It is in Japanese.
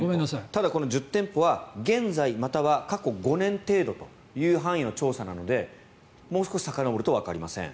ただ、この１０店舗は現在または過去５年程度という範囲の調査なのでもう少しさかのぼるとわかりません。